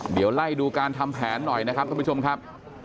เดี๋ยวไล่ดูการทำแผนหน่อยนะครับท่านผู้ชมครับ